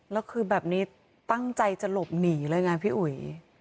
แล้วคือแบบนี้ตั้งใจจะหลบหนีเลยไงพี่อุ๋ย